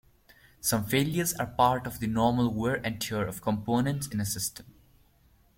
Some failures are part of the normal wear-and-tear of components in a system.